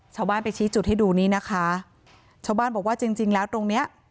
ชาวบ้านไปชี้จุดให้ดูนี้นะคะชาวบ้านบอกว่าจริงจริงแล้วตรงเนี้ย